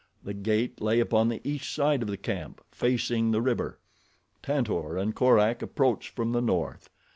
The gate lay upon the east side of the camp, facing the river. Tantor and Korak approached from the north.